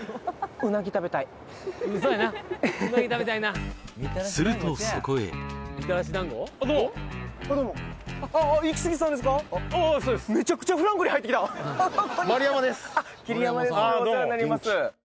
うなぎ食べたいなするとそこへお世話になります